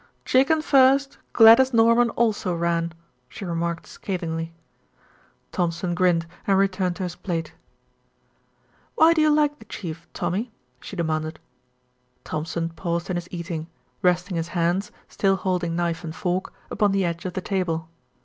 "Chicken first; Gladys Norman also ran," she remarked scathingly. Thompson grinned and returned to his plate. "Why do you like the Chief, Tommy?" she demanded. Thompson paused in his eating, resting his hands, still holding knife and fork, upon the edge of the table.